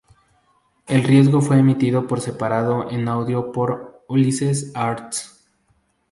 El registro fue emitido por separado en audio por Ulysses Arts.